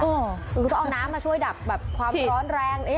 ก็ต้องเอาน้ำมาช่วยดับแบบความร้อนแรง